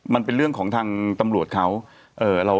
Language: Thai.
มันเป็นเรื่องของทางตำรวจเขา